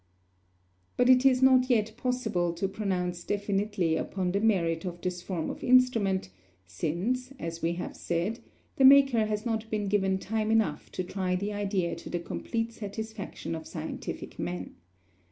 But it is not yet possible to pronounce definitely upon the merit of this form of instrument, since, as we have said, the maker has not been given time enough to try the idea to the complete satisfaction of scientific men.